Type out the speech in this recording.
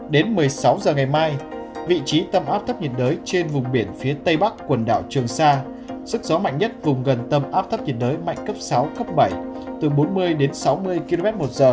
đến một mươi sáu h ngày mai vị trí tâm áp thấp nhiệt đới trên vùng biển phía tây bắc quần đảo trường sa sức gió mạnh nhất vùng gần tâm áp thấp nhiệt đới mạnh cấp sáu cấp bảy từ bốn mươi đến sáu mươi km một giờ